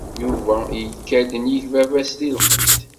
Yuba ikka-d nnig baba-s di lqedd.